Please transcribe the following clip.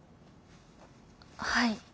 はい。